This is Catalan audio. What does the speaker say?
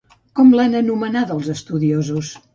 Com l'han anomenada els estudiosos?